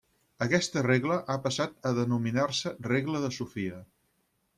Aquesta regla ha passat a denominar-se regla de Sofia.